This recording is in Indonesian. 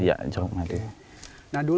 ya jeruk madu